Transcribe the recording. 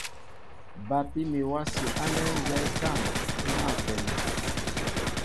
Bapí mi wási ánɛ nzɛ́ɛ́ tâm i mǎl a kwɛni.